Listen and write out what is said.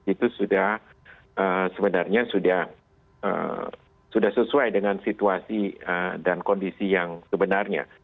itu sudah sebenarnya sudah sesuai dengan situasi dan kondisi yang sebenarnya